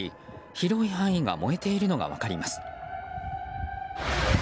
広い範囲が燃えているのが分かります。